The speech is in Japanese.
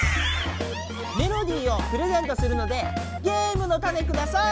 メロディーをプレゼントするのでゲームのタネください！